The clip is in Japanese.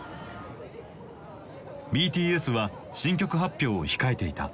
ＢＴＳは新曲発表を控えていた。